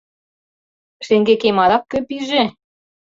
Шеҥгекем адак кӧ пиже?